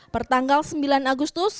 pertanggal sembilan agustus